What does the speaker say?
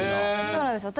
そうなんですよ。